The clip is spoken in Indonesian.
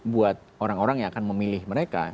buat orang orang yang akan memilih mereka